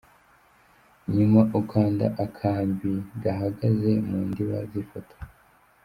Nyuma ukanda akambi gahagaze mu ndiba z’ifoto.